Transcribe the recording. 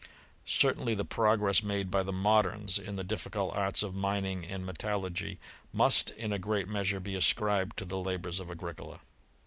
Certainly the progress made by the moderns, in the difficult arts of mining and me tallurgy, must in a gre?it measure be ascribed to the labours of Agricola.